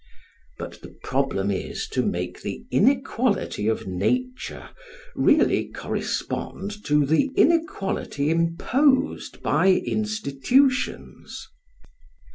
But the problem is to make the inequality of nature really correspond to the inequality imposed by institutions.